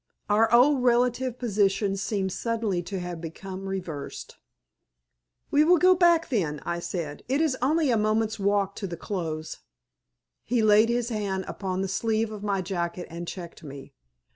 Our old relative positions seemed suddenly to have become reversed. "We will go back, then," I said; "it is only a moment's walk to the close." He laid his hand upon the sleeve of my jacket and checked me.